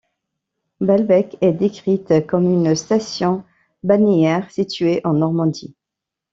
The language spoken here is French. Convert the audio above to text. Balbec est décrite comme une station balnéaire située en Normandie.